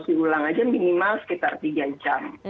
yang otopsi ulang aja minimal sekitar tiga jam gitu